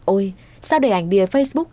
ôi sao để ảnh bìa facebook